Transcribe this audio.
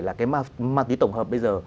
là cái ma túy tổng hợp bây giờ